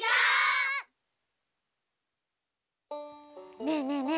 ねえねえねえ